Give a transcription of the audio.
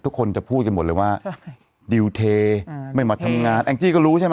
ทุกคนจะพูดกันหมดเลยว่าดิวเทไม่มาทำงานแองจี้ก็รู้ใช่ไหม